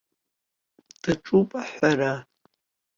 Даҿуп аҳәара.